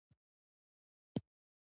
ژبه خوښی او غم بیانوي.